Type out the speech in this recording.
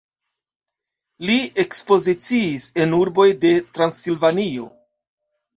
Li ekspoziciis en urboj de Transilvanio.